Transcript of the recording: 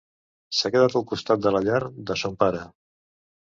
S'ha quedat al costat de la llar de son pare